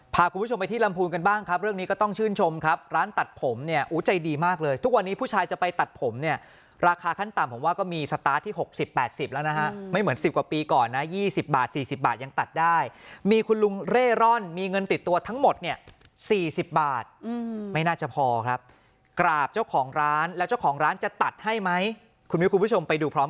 พาคุณผู้ชมไปที่ลำพูนกันบ้างครับเรื่องนี้ก็ต้องชื่นชมครับร้านตัดผมเนี่ยอุ้ยใจดีมากเลยทุกวันนี้ผู้ชายจะไปตัดผมเนี่ยราคาขั้นต่ำผมว่าก็มีสตาร์ทที่หกสิบแปดสิบแล้วนะคะไม่เหมือนสิบกว่าปีก่อนน่ะยี่สิบบาทสี่สิบบาทยังตัดได้มีคุณลุงเร่ร่อนมีเงินติดตัวทั้งหมดเนี่ยสี่สิบบาทอืมไม่น่าจะพ